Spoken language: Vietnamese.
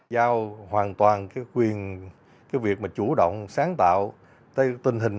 giao hoàn toàn cái quyền cái việc mà chủ động sáng tạo cái tình hình